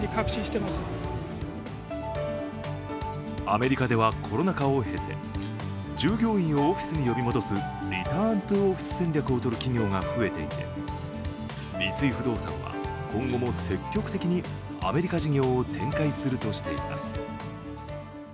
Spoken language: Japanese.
アメリカではコロナ禍を経て従業員をオフィスに呼び戻すリターントゥオフィス戦略をとる企業が増えていて三井不動産は今後も積極的にアメリカ事業を展開するとしています。